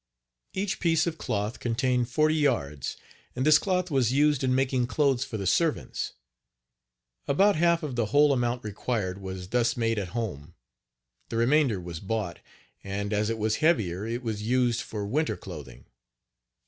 Each piece of cloth contained forty yards, and this cloth was used in making clothes for the servants. About half of the whole amount required was thus made at home; the remainder was bought, and as it was heavier it was used for winter clothing.